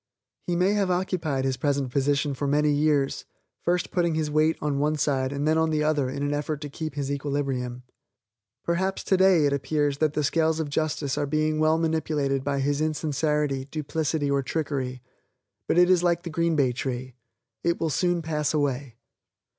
He may have occupied his present position for many years, first putting his weight on one side and then on the other in an effort to keep his equilibrium. Perhaps today it appears that the scales of justice are being well manipulated by his insincerity, duplicity or trickery but it is like the green bay tree. It will soon pass away.